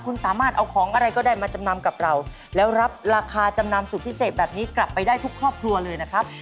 คุณสามารถเอาของอะไรก็ได้มาจำนำกับเราแล้วรับราคาจำนำสุดพิเศษแบบนี้กลับไปได้ทุกครอบครัวเลยนะครับ